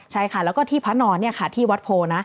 ใช่ค่ะแล้วก็ที่พระนอนที่วัดโพนะ